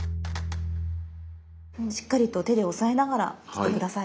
しっかりと手で押さえながら切って下さい。